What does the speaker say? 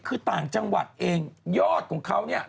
คือต่างจังหวัดเองยอดของเขาเนี่ย